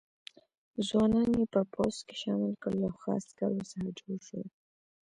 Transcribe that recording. ځوانان یې په پوځ کې شامل کړل او ښه عسکر ورڅخه جوړ شول.